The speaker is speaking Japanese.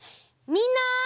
みんな！